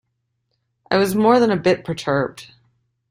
I was more than a bit perturbed.